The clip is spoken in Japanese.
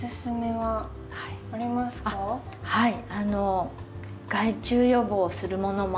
はい。